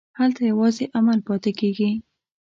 هلته یوازې عمل پاتې کېږي.